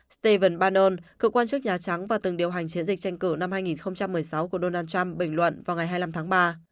stephen bannern cơ quan chức nhà trắng và từng điều hành chiến dịch tranh cử năm hai nghìn một mươi sáu của donald trump bình luận vào ngày hai mươi năm tháng ba